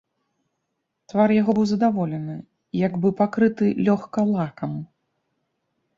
Твар яго быў задаволены, як бы пакрыты лёгка лакам.